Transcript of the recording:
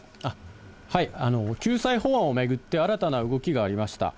救済法案を巡って、新たな動きがありました。